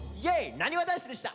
なにわ男子でした！